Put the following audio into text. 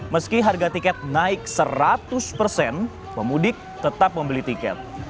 meski harga tiket naik seratus persen pemudik tetap membeli tiket